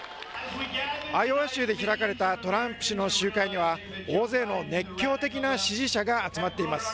アイオワ州で開かれたトランプ氏の集会には、大勢の熱狂的な支持者が集まっています。